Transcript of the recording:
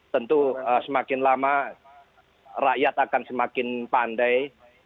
tentu semakin lama rakyat akan semakin pandai